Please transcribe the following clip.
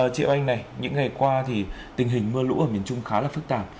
chị oanh này những ngày qua thì tình hình mưa lũ ở miền trung khá là phức tạp